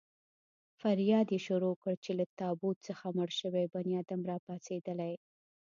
فریاد يې شروع کړ چې له تابوت څخه مړ شوی بنیادم را پاڅېدلی.